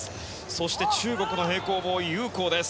そして中国の平行棒ユウ・コウです。